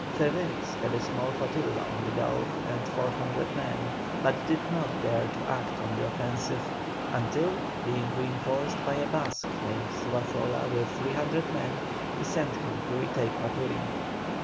Cervéris had a small flotilla on the Gulf and 400 men, but did not dare to act on the offensive until, being reinforced by a Basque named Zuazola with 300 men, he sent him to retake Maturin.